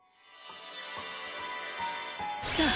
さあ。